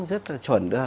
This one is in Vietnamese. rất là chuẩn được